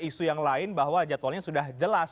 isu yang lain bahwa jadwalnya sudah jelas